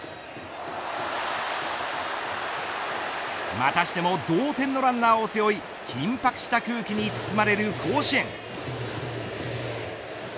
またしても同点のランナーを背負い緊迫した空気に包まれる甲子園。